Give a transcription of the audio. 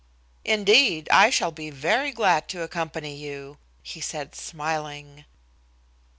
"Indeed, I shall be very glad to accompany you," he said, smiling.